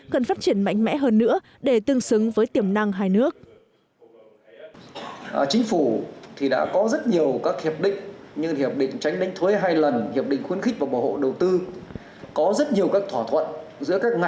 cần phát triển mạnh mẽ hơn nữa để tương xứng với tiềm năng hai nước